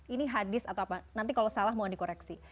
ini hadis atau apa nanti kalau salah mohon dikoreksi